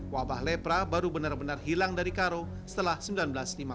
wabah lepra baru benar benar hilang dari karo setelah seribu sembilan ratus lima puluh lima